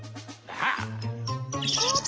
あっ。